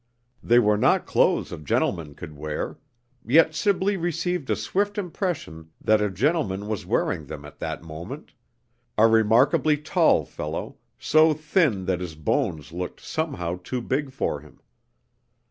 They were not clothes a gentleman could wear yet Sibley received a swift impression that a gentleman was wearing them at that moment: a remarkably tall fellow, so thin that his bones looked somehow too big for him.